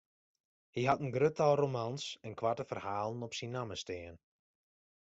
Hy hat in grut tal romans en koarte ferhalen op syn namme stean.